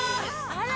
あら！